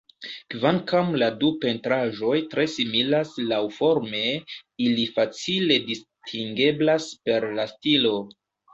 Kvankam la du pentraĵoj tre similas laŭforme, ili facile distingeblas per la stilo.